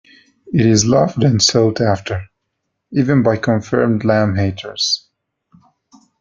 It is loved and sought after, even by confirmed lamb haters.